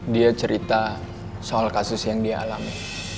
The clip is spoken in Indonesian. dia cerita soal kasus yang dia alami